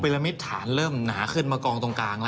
ลมิตฐานเริ่มหนาขึ้นมากองตรงกลางแล้ว